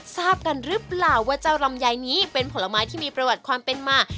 ทราบกันหรือเปล่าว่าเจ้าลำไยนี้เป็นผลไม้ที่มีประวัติความเป็นมา